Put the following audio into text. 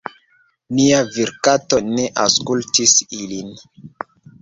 Nia virkato ne aŭskultis ilin.